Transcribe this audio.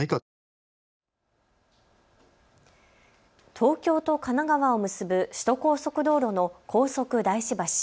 東京と神奈川を結ぶ首都高速道路の高速大師橋。